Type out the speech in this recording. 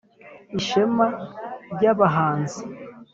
ishema ry’abahanzi